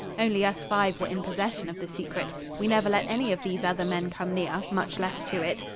Only us five were in possession of the secret. We never let any of these other men come near, much less to it.